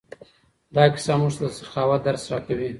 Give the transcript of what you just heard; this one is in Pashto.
دا کیسه موږ ته د سخاوت درس راکوي.